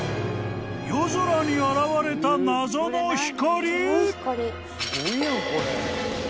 ［夜空に現れた謎の光！？］